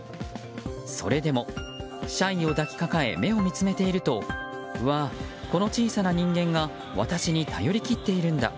それでも、シャイを抱きかかえ目を見つめているとうわあ、この小さな人間が私に頼り切っているんだ